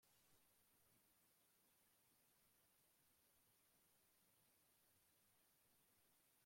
N ibindi bikomangoma byose by umwami